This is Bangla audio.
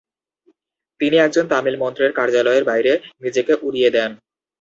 তিনি একজন তামিল মন্ত্রীর কার্যালয়ের বাইরে নিজেকে উড়িয়ে দেন।